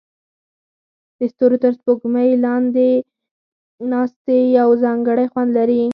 د ستورو تر سپوږمۍ لاندې ناستې یو ځانګړی خوند لري.